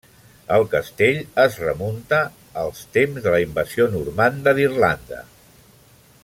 El castell es remunta als temps de la Invasió normanda d'Irlanda.